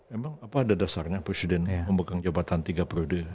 memang apa ada dasarnya presiden memegang jabatan tiga perude